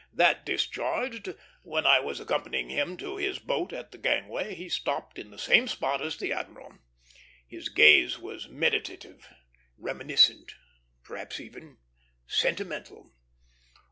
That discharged, when I was accompanying him to his boat at the gangway, he stopped in the same spot as the admiral. His gaze was meditative, reminiscent, perhaps even sentimental.